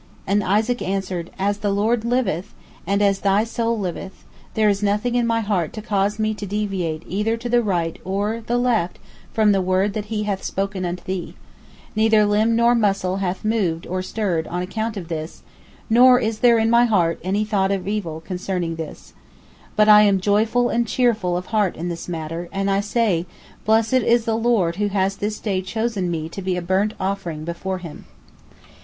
And Isaac answered, "As the Lord liveth, and as thy soul liveth, there is nothing in my heart to cause me to deviate either to the right or the left from the word that He hath spoken unto thee. Neither limb nor muscle hath moved or stirred on account of this, nor is there in my heart any thought or evil counsel concerning this. But I am joyful and cheerful of heart in this matter, and I say, Blessed is the Lord who has this day chosen me to be a burnt offering before Him."